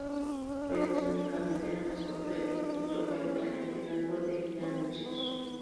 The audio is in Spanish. Fred es únicamente la mascota del Instituto, con un talento innato de "gira-anuncios".